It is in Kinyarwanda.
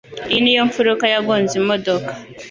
Iyi niyo mfuruka yagonze imodoka.